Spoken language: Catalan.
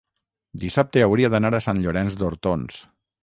dissabte hauria d'anar a Sant Llorenç d'Hortons.